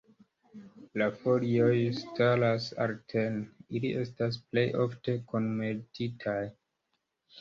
La folioj staras alterne, ili estas plej ofte kunmetitaj.